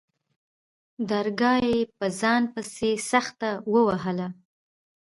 درگاه يې په ځان پسې سخته ووهله.